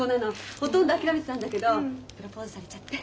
ほとんど諦めてたんだけどプロポーズされちゃって。